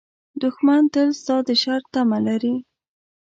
دښمن تل ستا د شر تمه لري